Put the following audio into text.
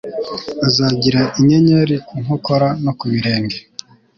bazagira inyenyeri ku nkokora no ku birenge